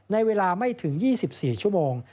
ในเวลาไม่ถึง๒๔ชั่วโมง